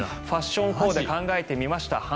ファッションコーデ考えてみました。